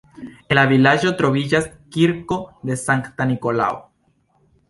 En la vilaĝo troviĝas kirko de Sankta Nikolao.